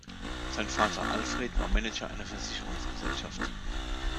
Sein Vater Alfred war Manager einer Versicherungsgesellschaft.